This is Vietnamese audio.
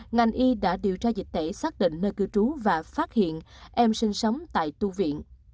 ngành y đã điều tra dịch tễ xác định nơi cư trú và phát hiện em sinh sống tại tu viện